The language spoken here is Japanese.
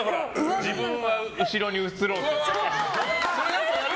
自分は後ろに写ろうとしてる。